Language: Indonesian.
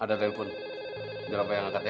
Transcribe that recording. ada telepon nyalah payah ngangkat ya